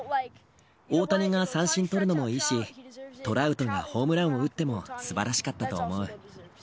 大谷が三振取るのもいいし、トラウトがホームランを打ってもすばらしかったと思う。